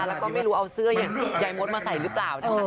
แล้วก็ไม่รู้เอาเสื้ออย่างยายมดมาใส่หรือเปล่านะคะ